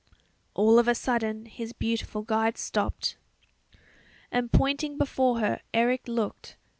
All of a sudden his beautiful guide stopped. And pointing before her Eric looked